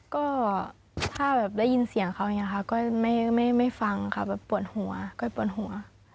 ก็ถ้าแบบได้ยินเสียงเขาอย่างงานค่ะก้อยไม่ฟังค่ะแบบว่าปวดหัว